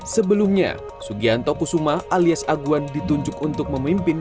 sebelumnya sugianto kusuma alias aguan ditunjuk untuk memimpin